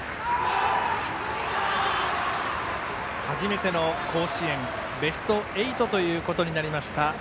初めての甲子園ベスト８ということになりました。